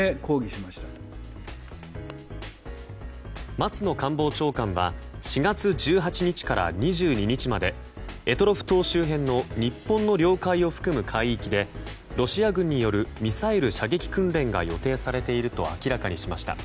松野官房長官は４月１８日から２２日まで択捉島周辺の日本の領海を含む海域でロシア軍によるミサイル射撃訓練が予定されていると明らかにしました。